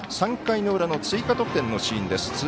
３回の裏の追加得点のシーンです。